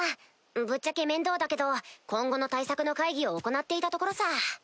ぶっちゃけ面倒だけど今後の対策の会議を行っていたところさ。